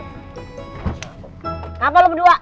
kenapa lu berdua